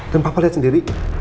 dan papa lihat sendiri